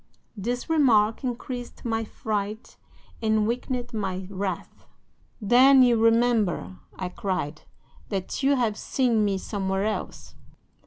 "'This remark increased my fright and weakened my wrath. "'"Then you remember," I cried, "that you have seen me somewhere else."